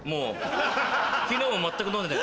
昨日も全く飲んでない。